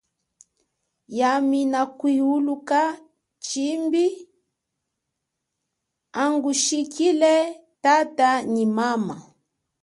Yami nakwiuluka shimbi angushikile tata nyi mama.